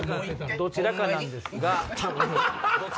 どちらかなんですが。